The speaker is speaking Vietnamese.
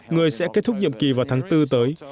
người sẽ kết thúc nhiệm kỳ vào tháng bốn tới